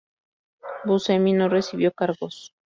Buscemi no recibió cargos.